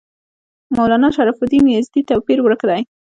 مولنا شرف الدین یزدي توپیر ورک دی.